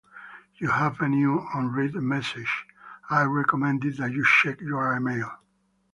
You have a new unread message. I recommend that you check your email.